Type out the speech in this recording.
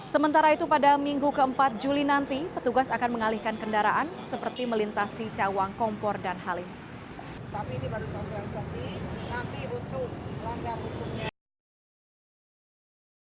sementara itu pada minggu keempat juli nanti petugas akan mengalihkan kendaraan seperti melintasi cawang kompor dan halim